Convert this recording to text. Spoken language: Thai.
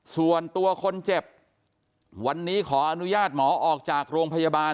ส่วนตัวคนเจ็บวันนี้ขออนุญาตหมอออกจากโรงพยาบาล